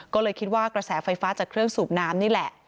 ก็เลยคิดว่ากระแสไฟฟ้าจากเครื่องสูบน้ำนี่แหละ